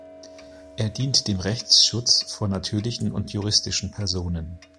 Er dient dem Rechtsschutz von natürlichen und juristischen Personen.